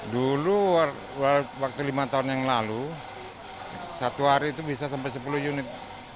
dulu waktu lima tahun yang lalu satu hari itu bisa sampai sepuluh unit